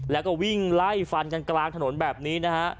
แล้วก็วิ่งไล่ฟันกันกลางถนนแบบนี้นะฮะ